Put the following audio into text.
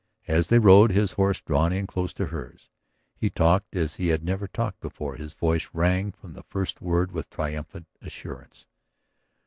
As they rode, his horse drawn in close to hers, he talked as he had never talked before; his voice rang from the first word with triumphant assurance.